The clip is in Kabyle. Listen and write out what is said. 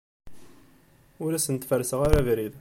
Ur asent-ferrseɣ abrid.